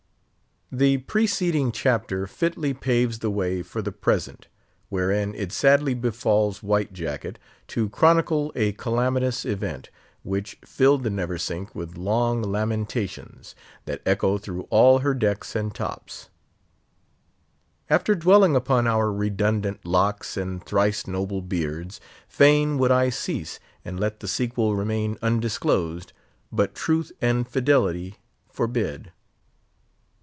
The preceding chapter fitly paves the way for the present, wherein it sadly befalls White Jacket to chronicle a calamitous event, which filled the Neversink with long lamentations, that echo through all her decks and tops. After dwelling upon our redundant locks and thrice noble beards, fain would I cease, and let the sequel remain undisclosed, but truth and fidelity forbid.